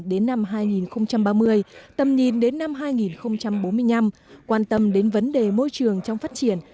đến năm hai nghìn ba mươi tầm nhìn đến năm hai nghìn bốn mươi năm quan tâm đến vấn đề môi trường trong phát triển